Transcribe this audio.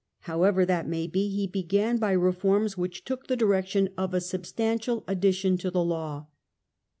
However that may be, he began by reforms which took the direction of a sub stantial addition to the law.